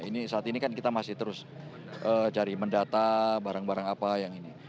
ini saat ini kan kita masih terus cari mendata barang barang apa yang ini